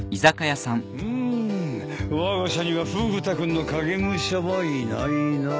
うーんわが社にはフグ田君の影武者はいないな。